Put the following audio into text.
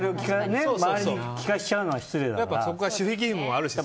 周りに聞かせちゃうのは失礼だから。